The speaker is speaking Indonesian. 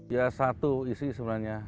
ya satu isi sebenarnya